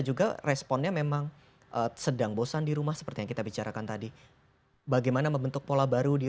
juga responnya memang sedang bosan di rumah seperti yang kita bicarakan tadi bagaimana membentuk pola baru di